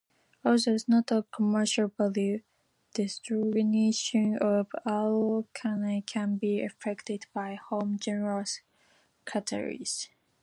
Although not of commercial value, dehydrogenation of alkanes can be effected by homogeneous catalysis.